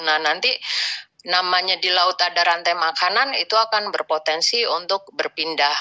nah nanti namanya di laut ada rantai makanan itu akan berpotensi untuk berpindah